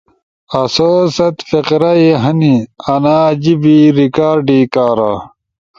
آسو ست فقرہ ئے ہنی انا جیِبی ریکارڈی کارا